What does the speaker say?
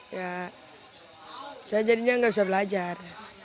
ya saya jadinya nggak bisa belajar